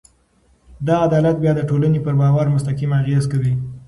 دا عدالت بیا د ټولنې پر باور مستقیم اغېز کوي.